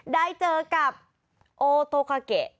ได้เจอกับโอโตคาเกะ